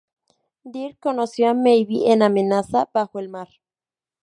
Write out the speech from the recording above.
Dirk conoció a Maeve en Amenaza bajo el mar.